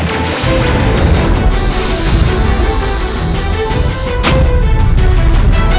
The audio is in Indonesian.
menisir nah bersih semua